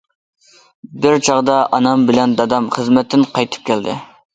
بىر چاغدا ئانام بىلەن دادام خىزمەتتىن قايتىپ كەلدى.